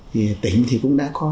thì tỉnh thì cũng đã có